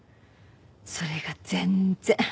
それが全然。